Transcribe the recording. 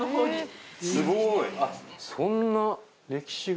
すごい！